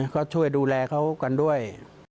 ก็ช่วยดูแลเขากันด้วย